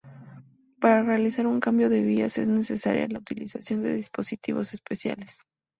Para realizar un cambio de vías es necesaria la utilización de dispositivos especiales.